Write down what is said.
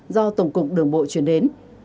do tổng cục đường bộ chuyển đến